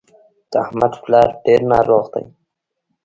د احمد پلار ډېر ناروغ دی.